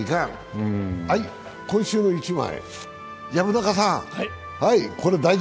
今週の１枚。